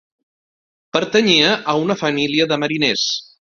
Pertanyia a una família de mariners.